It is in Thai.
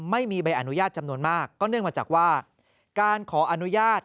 ไม่มีใบอนุญาตจำนวนมากก็เนื่องมาจากว่าการขออนุญาต